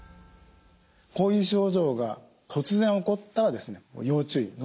こういう症状が突然起こったら要注意。